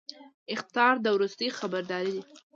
اخطار د وروستي خبرداری دی